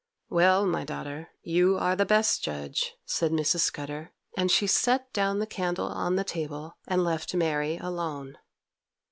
'Well, my daughter, you are the best judge,' said Mrs. Scudder; and she set down the candle on the table, and left Mary alone.